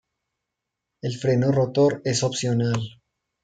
El freno rotor es opcional.